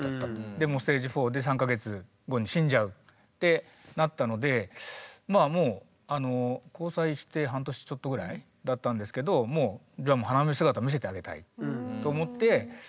でもうステージ４で３か月後に死んじゃうってなったのでまあもう交際して半年ちょっとぐらいだったんですけどもうえ！